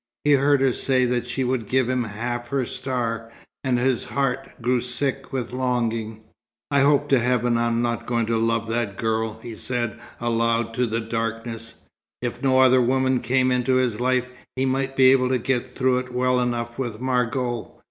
He heard her say that she would give him "half her star," and his heart grew sick with longing. "I hope to Heaven I'm not going to love that girl," he said aloud to the darkness. If no other woman came into his life, he might be able to get through it well enough with Margot.